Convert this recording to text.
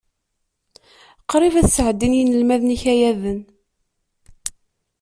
Qrib ad sɛeddin yinelmaden ikayaden.